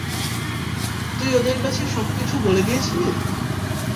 তুই ওদের কাছে সবকিছু বলে দিয়েছিলি!